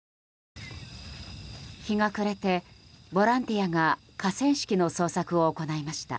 日が暮れてボランティアが河川敷の捜索を行いました。